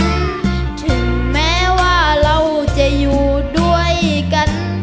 ถึงแม้ว่าเราจะอยู่ด้วยกัน